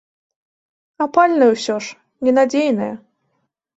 Апальная ўсё ж, ненадзейная.